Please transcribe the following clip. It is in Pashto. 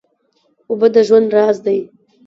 اوبه د ژوند راز دی.